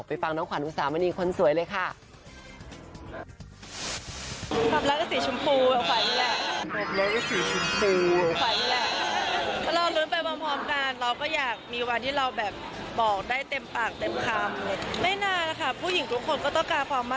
ไปฟังน้องขวัญอุปสรรค์วันนี้คนสวยเลยค่ะ